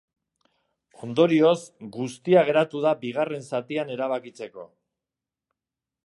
Ondorioz, guztia geratu da bigarren zatian erabakitzeko.